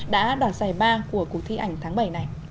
đã đoạt giải ba của cuộc thi ảnh tháng bảy này